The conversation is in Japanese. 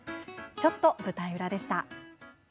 「ちょっと舞台裏」でした。